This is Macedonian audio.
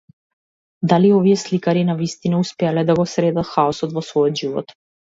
Дали овие сликари навистина успеале да го средат хаосот во својот живот?